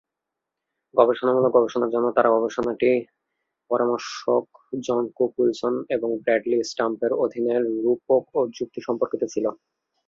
গবেষণামূলক গবেষণার জন্য তার গবেষণাটি পরামর্শক জন কুক উইলসন এবং ব্র্যাডলি স্ট্যাম্পের অধীনে রূপক ও যুক্তি সম্পর্কিত ছিল।